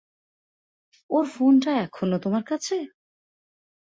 ওর ফোনটা এখনো তোমার কাছে।